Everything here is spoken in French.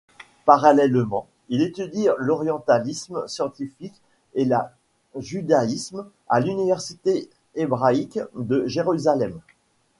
Parallèlement, il étudie l'orientalisme scientifique et la judaïsme à l'université hébraïque de Jérusalem.